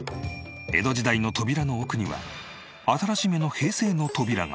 江戸時代の扉の奥には新しめの平成の扉が。